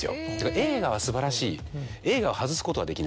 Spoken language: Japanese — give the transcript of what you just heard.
映画は素晴らしい映画は外すことはできない。